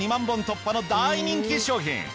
本突破の大人気商品。